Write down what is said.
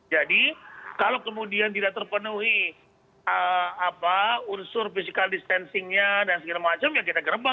jadi kalau kemudian tidak terpenuhi unsur physical distancingnya dan sebagainya kita gerebek